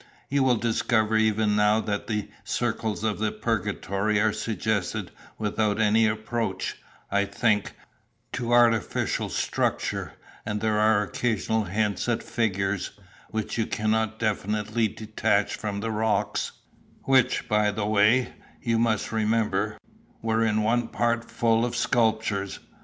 You will discover even now that the circles of the Purgatory are suggested without any approach, I think, to artificial structure; and there are occasional hints at figures, which you cannot definitely detach from the rocks which, by the way, you must remember, were in one part full of sculptures.